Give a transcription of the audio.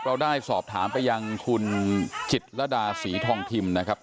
เราได้สอบถามไปยังคุณจิตรดาศรีทองทิมนะครับ